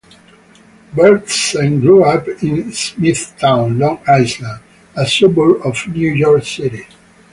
Berntsen grew up in Smithtown, Long Island, a suburb of New York City.